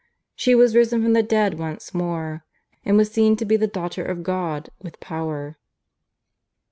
She was risen from the dead once more, and was seen to be the Daughter of God, with Power."